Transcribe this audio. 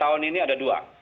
tahun ini ada dua